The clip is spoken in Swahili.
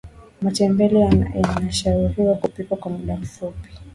matembele yanashauriwa kupikwa kwa mda mfupi